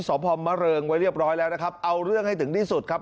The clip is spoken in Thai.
สอบพอมะเริงไว้เรียบร้อยแล้วนะครับเอาเรื่องให้ถึงที่สุดครับ